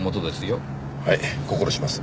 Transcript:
はい心します。